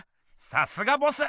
さすがボス！